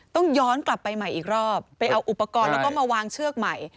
ต้องย้อนกลับไปใหม่อีกรอบไปเอาอุปกรณ์แล้วก็มาวางเชือกใหม่